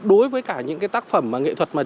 đối với cả những cái tác phẩm và nghệ thuật